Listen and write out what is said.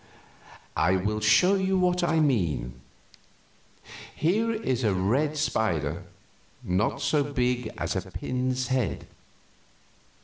I will show you what I mean. Here is a red spider, not so big as a pin's head.